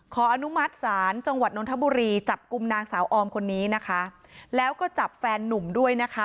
อนุมัติศาลจังหวัดนทบุรีจับกลุ่มนางสาวออมคนนี้นะคะแล้วก็จับแฟนนุ่มด้วยนะคะ